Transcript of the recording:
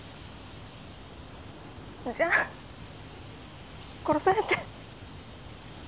じゃあ殺されて。